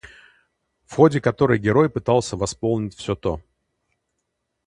в ходе которой герой пытался восполнить все то